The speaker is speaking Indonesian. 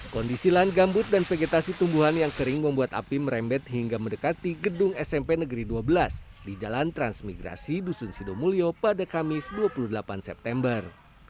kondisi lahan gambut dan vegetasi tumbuhan yang kering membuat api merembet hingga mendekati gedung smp negeri dua belas di jalan transmigrasi dusun sidomulyo pada kamis dua puluh delapan september